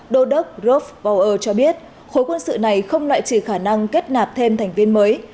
đô đốc grof power cho biết khối quân sự này không loại trừ khả năng kết nạp thêm thành viên mới